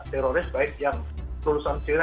teroris baik yang lulusan zera